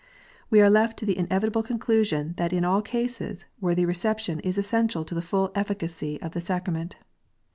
We are left to the inevitable conclusion that in all cases worthy reception is essential to the full efficacy of the sacrament.